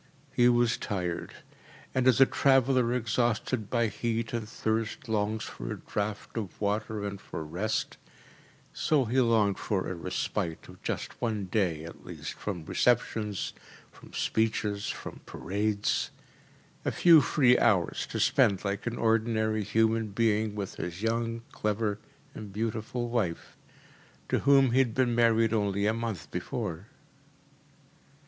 He was tired, and as a traveller exhausted by heat and thirst longs for a draught of water and for rest, so he longed for a respite of just one day at least from receptions, from speeches, from parades a few free hours to spend like an ordinary human being with his young, clever, and beautiful wife, to whom he had been married only a month before.